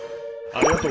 ありがとう。